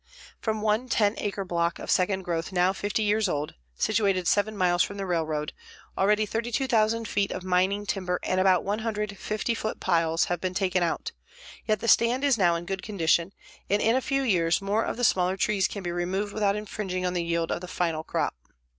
From one 10 acre block of second growth now 50 years old, situated 7 miles from the railroad, already 32,000 feet of mining timber and about 100 50 foot piles have been taken out, yet the stand is now in good condition, and in a few years more of the smaller trees can be removed without infringing on the yield of the final crop.